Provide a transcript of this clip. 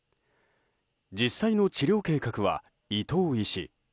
実際の治療計画は伊藤医師。